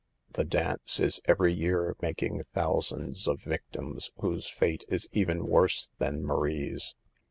The dance is every year making, thousands of victims whose fate is even worse than Marie's.